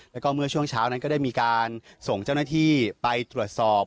แล้วก็เมื่อช่วงเช้านั้นก็ได้มีการส่งเจ้าหน้าที่ไปตรวจสอบ